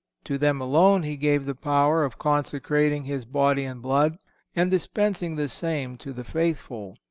To them alone He gave the power of consecrating His Body and Blood and dispensing the same to the faithful.